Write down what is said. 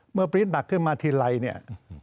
เมื่อปรี๊ดหนักขึ้นมาทีไรเนี่ย